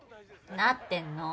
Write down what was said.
なってんの。